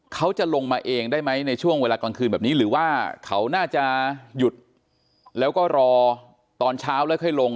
เขาจะลงมาเองได้ไหมในช่วงเวลากลางคืนแบบนี้หรือว่าเขาน่าจะหยุดแล้วก็รอตอนเช้าแล้วค่อยลง